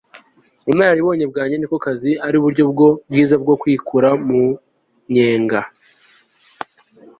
ubunararibonye bwanjye ni uko akazi ari bwo buryo bwiza bwo kwikura mu nyenga